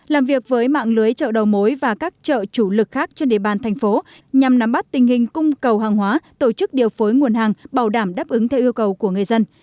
làm việc với mạng lưới chợ đầu mối và các chợ chủ lực khác trên địa bàn thành phố nhằm nắm bắt tình hình cung cầu hàng hóa tổ chức điều phối nguồn hàng bảo đảm đáp ứng theo yêu cầu của người dân